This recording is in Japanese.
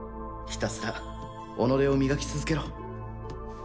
ひたすら己を磨き続けろ。